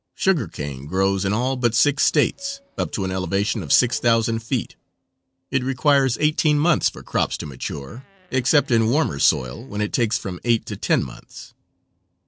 Sugar cane grows in all but six states, up to an elevation of six thousand feet. It requires eighteen months for crops to mature, except in warmer soil, when it takes from eight to ten months.